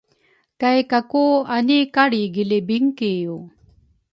kay Kaku ani kalrigili binkiw.